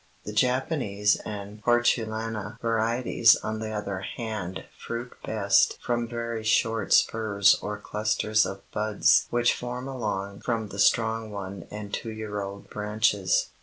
The Japanese and Hortulana varieties on the other hand fruit best from very short spurs or clusters of buds which form along from the strong one and two year old branches.